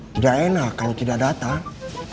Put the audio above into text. tidak enak kalau tidak datang